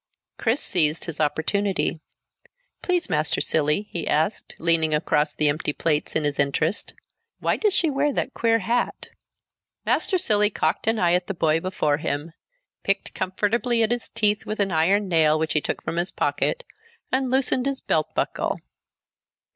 Chris seized his opportunity. "Please, Master Cilley," he asked, leaning across the empty plates in his interest, "Why does she wear that queer hat?" Master Cilley cocked an eye at the boy before him, picked comfortably at his teeth with an iron nail which he took from his pocket, and loosened his belt buckle.